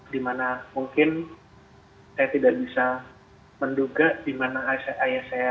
di mana mungkin saya tidak bisa menduga di mana ayah saya mendapatkan penyakit tersebut